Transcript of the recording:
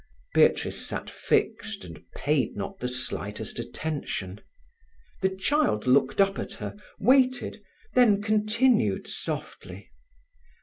Beatrice sat fixed, and paid not the slightest attention. The child looked up at her, waited, then continued softly.